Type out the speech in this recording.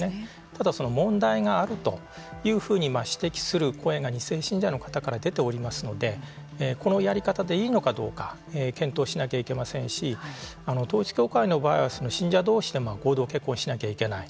ただ、問題があるというふうに指摘する声が２世信者の方から出ておりますのでこのやり方でいいのかどうか検討しなきゃいけませんし統一教会の場合は信者同士で合同結婚しなきゃいけない。